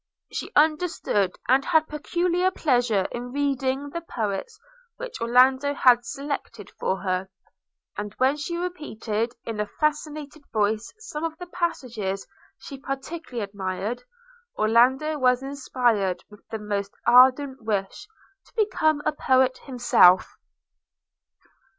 She understood, and had peculiar pleasure in reading, the poets, which Orlando had selected for her; and when she repeated, in a fascinating voice, some of the passages she particularly admired, Orlando was inspired with the most ardent wish to become a poet himself.